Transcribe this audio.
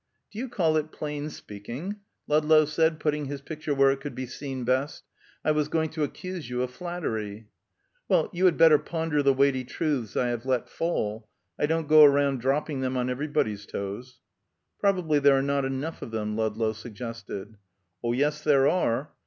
"Do you call it plain speaking?" Ludlow said, putting his picture where it could be seen best. "I was going to accuse you of flattery." "Well, you had better ponder the weighty truths I have let fall. I don't go round dropping them on everybody's toes." "Probably there are not enough of them," Ludlow suggested. "Oh, yes, there are."